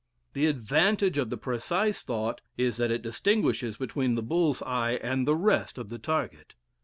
The advantage of the precise thought is that it distinguishes between the bull's eye and the rest of the target.